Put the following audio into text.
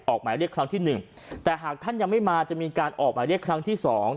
หมายเรียกครั้งที่หนึ่งแต่หากท่านยังไม่มาจะมีการออกหมายเรียกครั้งที่๒